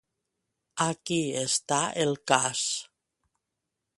Aquí està el cas.